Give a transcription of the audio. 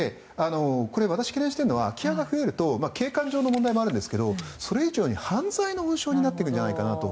私が懸念しているのは空き家が増えると景観上の問題もあるんですがそれ以上に犯罪の温床になっていくんじゃないかなと。